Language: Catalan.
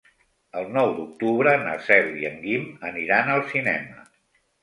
El nou d'octubre na Cel i en Guim aniran al cinema.